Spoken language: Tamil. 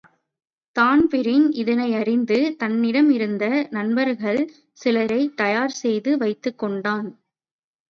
தான்பிரீன் இதையறிந்து தன்னிடமிருந்த நண்பர்கள் சிலரைத் தயார் செய்து வைத்துக்கொண்டான்.